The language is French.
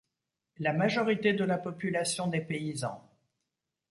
La majorité de la population des paysans.